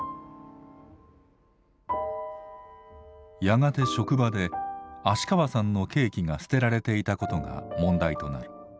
やがて職場で芦川さんのケーキが捨てられていたことが問題となる。